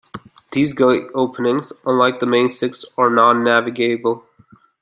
These gate openings, unlike the main six, are non-navigable.